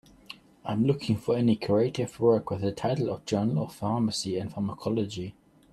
I am looking for any creative work with the title of Journal of Pharmacy and Pharmacology